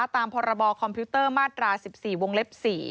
ตามพรบคอมพิวเตอร์มาตรา๑๔วงเล็บ๔